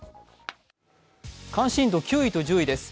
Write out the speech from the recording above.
関心度９位と１０位です。